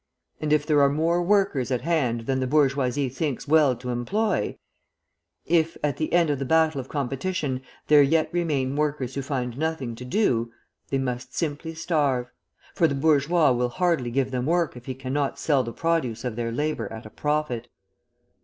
And if there are more workers at hand than the bourgeoisie thinks well to employ if at the end of the battle of competition there yet remain workers who find nothing to do, they must simply starve; for the bourgeois will hardly give them work if he cannot sell the produce of their labour at a profit.